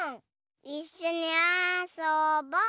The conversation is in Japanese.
いっしょにあそぼ！